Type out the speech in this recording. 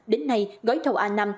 đến nay gói thầu a năm